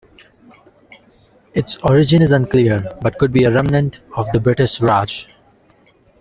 Its origin is unclear, but could be a remnant of the British Raj.